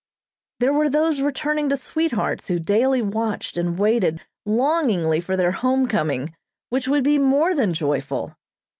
There were those returning to sweethearts who daily watched and waited longingly for their home coming which would be more than joyful.